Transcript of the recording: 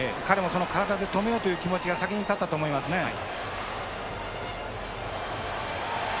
彼もその体で止めようという気持ちが先に立ったと思いますね。